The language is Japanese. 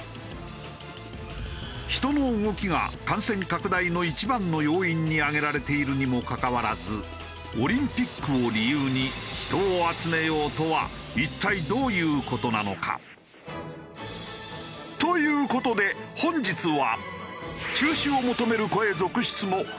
人の動きが感染拡大の一番の要因に挙げられているにもかかわらずオリンピックを理由に人を集めようとは一体どういう事なのか？という事で本日は。